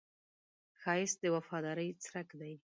ښایست د وفادارۍ څرک دی